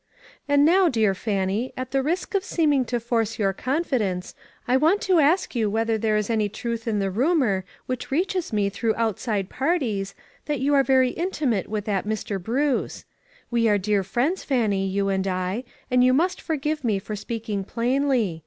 " And now, dear Fannie, at the risk of 467 468 ONE COMMONPLACE DAY. seeming to force your confidence, I want to ask you whether there is any truth in the rumor, which reaches me through out side parties, that you are very intimate with that Mr. Bruce. We are dear friends, Fannie, you and I, and you must forgive me for speaking plainly.